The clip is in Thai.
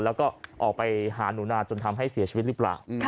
แล้วก็ออกไปหาหนูนาจนทำให้เสียชีวิตหรือเปล่า